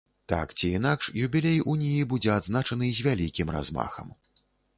Так ці інакш, юбілей уніі будзе адзначаны з вялікім размахам.